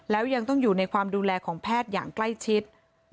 แล้วยังต้องอยู่ในความดูแลของแพทย์อย่างใกล้ชิด